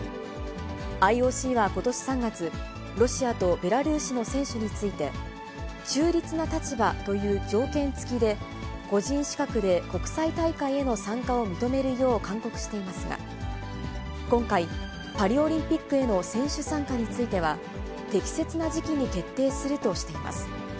ＩＯＣはことし３月、ロシアとベラルーシの選手について、中立な立場という条件付きで、個人資格で国際大会への参加を認めるよう勧告していますが、今回、パリオリンピックへの選手参加については、適切な時期に決定するとしています。